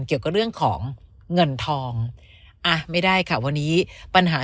เกี่ยวกับเรื่องของเงินทองอ่ะไม่ได้ค่ะวันนี้ปัญหา